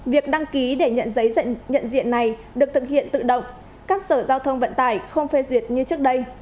việc đăng ký để nhận giấy nhận diện này được thực hiện tự động các sở giao thông vận tải không phê duyệt như trước đây